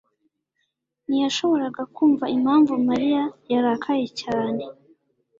ntiyashoboraga kumva impamvu Mariya yarakaye cyane.